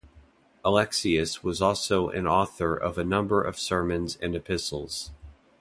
Alexius was also an author of a number of sermons and epistles.